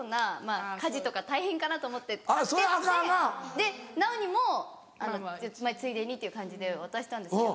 で奈央にもついでにっていう感じで渡したんですよ。